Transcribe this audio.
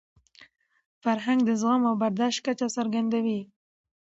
فرهنګ د زغم او برداشت کچه څرګندوي.